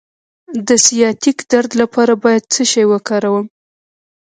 د سیاتیک درد لپاره باید څه شی وکاروم؟